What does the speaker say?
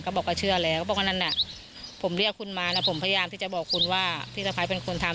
เขาบอกว่าเชื่อแล้วเพราะฉะนั้นนะผมเรียกคุณมานะผมพยายามที่จะบอกคุณว่าพี่สภัยเป็นคนทำ